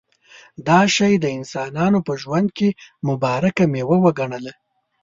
دا شی د انسانانو په ژوند کې مبارکه مېوه وګڼله.